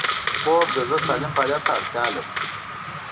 خوب د زړه سالم فعالیت ته اړتیا لري